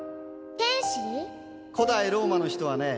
古代ローマの人はね